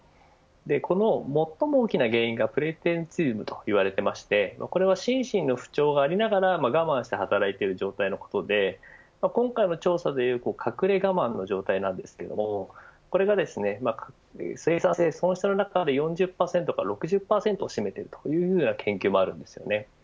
この最も大きな原因がプレゼンティズムと言われていましてこれは心身の不調がありながら我慢して働いている状態のことで今回の調査でいう隠れ我慢の状態ですけれどこれが生産性損失の中で４０％から６０％を占めているという研究もあります。